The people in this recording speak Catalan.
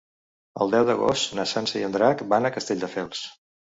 El deu d'agost na Sança i en Drac van a Castelldefels.